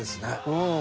うん。